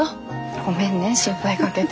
ごめんね心配かけて。